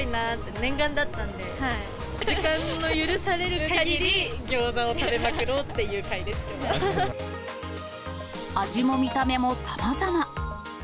念願だったんで、時間の許されるかぎりギョーザを食べまくろうっていう会です、味も見た目もさまざま。